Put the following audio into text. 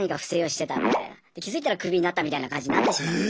で気づいたらクビになったみたいな感じになってしまうんで。